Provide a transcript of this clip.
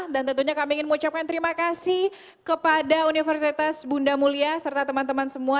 dan tentunya kami ingin mengucapkan terima kasih kepada universitas bunda mulia serta teman teman semua